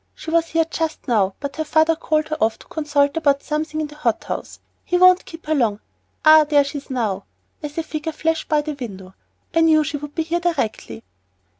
She was here just now, but her father called her off to consult about something in the hot house. He won't keep her long Ah, there she is now," as a figure flashed by the window; "I knew she would be here directly."